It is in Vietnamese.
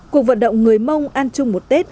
cuộc vận động người mông ăn chung một tết